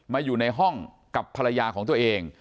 อยู่ในห้องกับภรรยาของตัวเอง